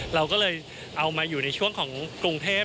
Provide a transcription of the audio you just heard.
เราก็เลยเอามาอยู่ในช่วงของกรุงเทพ